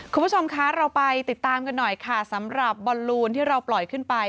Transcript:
คุณผู้ชมคะเราไปติดตามกันหน่อยค่ะสำหรับบอลลูนที่เราปล่อยขึ้นไป